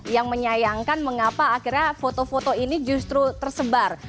yang menyayangkan mengapa akhirnya foto foto ini justru tersebar